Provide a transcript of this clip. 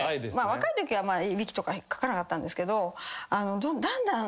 若いときはいびきとかかかなかったんですけどだんだん。